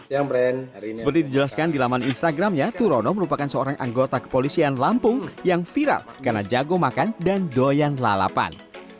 seperti dijelaskan di laman instagramnya turono merupakan seorang anggota kepolisian lampung yang viral karena jago makan dan doyan lalapan